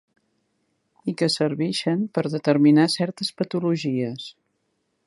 I que servixen per determinar certes patologies.